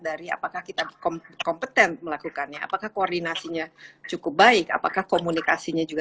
dari apakah kita kompeten melakukannya apakah koordinasinya cukup baik apakah komunikasinya juga